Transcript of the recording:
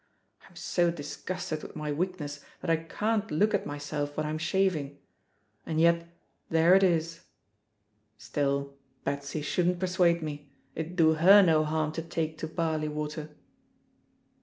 I'm so disgusted with my weakness that I can't look at myself when I'm shaving — and yet there it is! Still, Betsy shouldn't persuade me; it'd do her no hann to take to barley water."